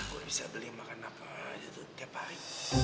gua bisa beli makan apa aja tuh tiap hari